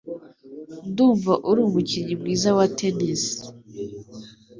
Ndumva uri umukinnyi mwiza wa tennis.